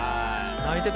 泣いてた。